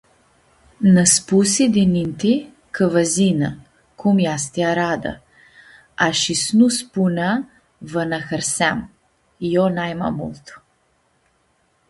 Nã spusi di ninti cã va s-yinã, cum easti arada, a shi s-nu spunea va nã hãrseam, io naima multu.